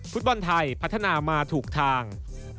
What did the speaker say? ฟุตบอลไทยพัฒนามาถูกทาง